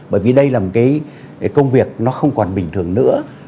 bởi vì đây là một cái công việc nó không còn bình thường nữa